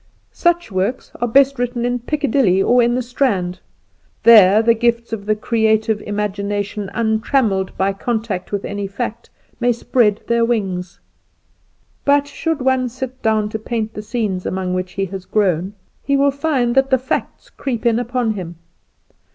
Such works are best written in Piccadilly or in the Strand: there the gifts of the creative imagination, untrammelled by contact with any fact, may spread their wings. But, should one sit down to paint the scenes among which he has grown, he will find that the facts creep in upon him.